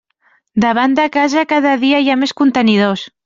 Davant de casa cada dia hi ha més contenidors.